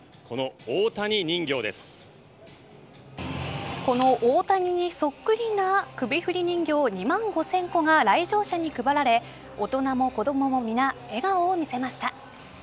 この大谷にそっくりな首振り人形、２万５０００個が来場者に配られ大人も子供も皆笑顔を見せました。